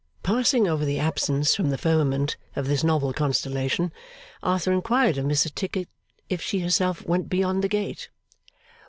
Passing over the absence from the firmament of this novel constellation, Arthur inquired of Mrs Tickit if she herself went beyond the gate?